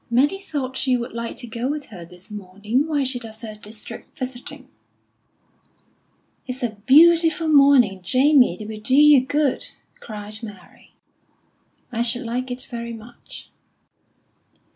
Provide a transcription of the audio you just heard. "Mary thought you would like to go with her this morning, while she does her district visiting." "It's a beautiful morning, Jamie; it will do you good!" cried Mary. "I should like it very much."